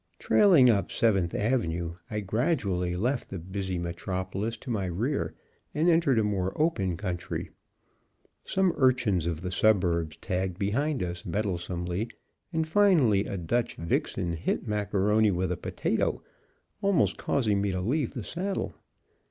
Trailing up Seventh Avenue, I gradually left the busy metropolis to my rear and entered a more open country. Some urchins of the suburbs tagged behind us meddlesomely, and finally a Dutch vixen hit Macaroni with a potato, almost causing me to leave the saddle.